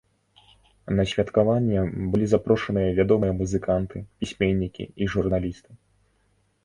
На святкаванне былі запрошаныя вядомыя музыканты, пісьменнікі і журналісты.